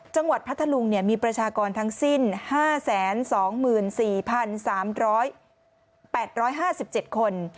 จังหวัดพัทธรุงมีประชากรทั้งสิ้น๕๒๔๘๕๗คน